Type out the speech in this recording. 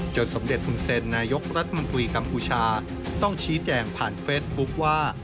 สมเด็จฮุนเซ็นนายกรัฐมนตรีกัมพูชาต้องชี้แจงผ่านเฟซบุ๊คว่า